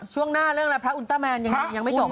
ช่วงหน้าเรื่องอะไรพระอุณตร์แมนยังไม่จบ